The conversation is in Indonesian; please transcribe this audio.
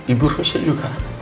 ibu susah juga